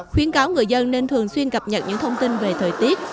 khuyến cáo người dân nên thường xuyên cập nhật những thông tin về thời tiết